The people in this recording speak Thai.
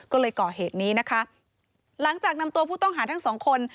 ก็เลยก่อเหตุนี้นะคะหลังจากนำตัวผู้ต้องหาทั้งสองคน